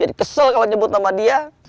jadi kesel kalau nyebut nama dia